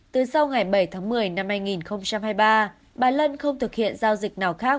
từ sau ngày bảy tháng một mươi năm hai nghìn hai mươi ba bà lân không thực hiện giao dịch nào khác